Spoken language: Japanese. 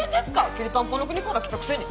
⁉きりたんぽの国から来たくせに。